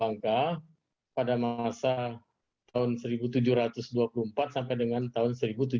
angka pada masa tahun seribu tujuh ratus dua puluh empat sampai dengan tahun seribu tujuh ratus lima